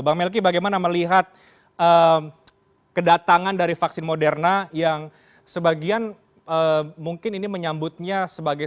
bang melky bagaimana melihat kedatangan dari vaksin moderna yang sebagian mungkin ini menyambutnya sebagai